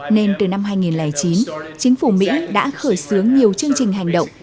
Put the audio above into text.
nên từ năm hai nghìn chín chính phủ mỹ đã khởi xướng nhiều chương trình hành động